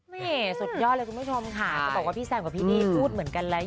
นี่สุดยอดเลยคุณผู้ชมค่ะจะบอกว่าพี่แซมกับพี่นี่พูดเหมือนกันแล้ว